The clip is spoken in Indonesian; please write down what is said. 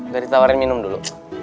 ga ditawarin minum dulu